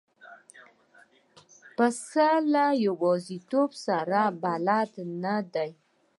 پسه له یوازیتوب سره بلد نه دی.